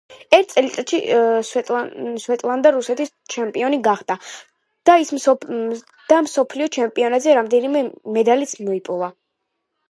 ერთ წელიწადში, სვეტლანა რუსეთის ჩემპიონი გახდა და მსოფლიო ჩემპიონატზე რამდენიმე მედალიც მოიპოვა.